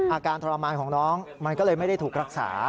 อาการทรมานของน้องมันก็เลยไม่ได้ถูกรักษา